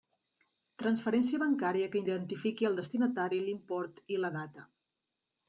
Transferència bancària que identifiqui el destinatari, l'import i la data.